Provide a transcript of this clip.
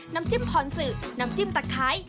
น้ำจิ้มพรสือน้ำจิ้มตะไคร้